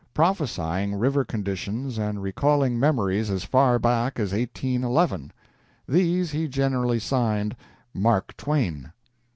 prophesying river conditions and recalling memories as far back as 1811. These he generally signed "Mark Twain."